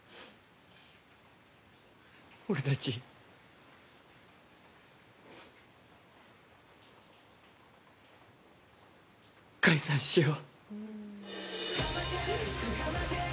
俺たち、解散しよう。